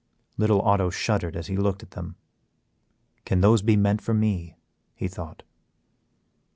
Little Otto shuddered as he looked at them; can those be meant for me, he thought.